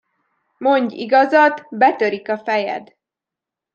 Mondj igazat, betörik a fejed.